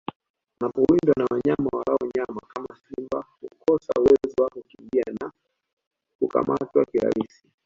Anapowindwa na wanyama walao nyama kama simba hukosa uwezo wa kukimbia na hukamatwa kirahisi